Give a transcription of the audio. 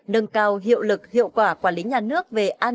nâng cao hiệu lực hiệu quả quản lý nhà nước